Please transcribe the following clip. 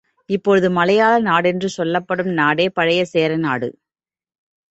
இப்போது மலையாள நாடென்று சொல்லப்படும் நாடே பழைய சேரநாடு.